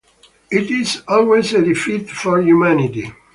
It is always a defeat for humanity.